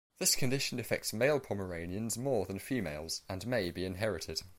This condition affects male Pomeranians more than females, and may be inherited.